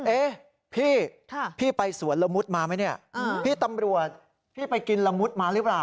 เอ๊ะพี่พี่ไปสวนละมุดมาไหมเนี่ยพี่ตำรวจพี่ไปกินละมุดมาหรือเปล่า